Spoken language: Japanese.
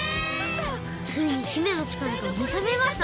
ついに姫のちからがめざめました！